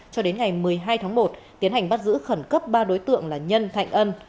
cho đến ngày một mươi hai tháng một tiến hành bắt giữ khẩn cấp ba đối tượng là nhân thạnh ân